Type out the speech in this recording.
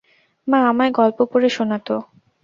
মা আমায় গল্প পড়ে শোনাতো।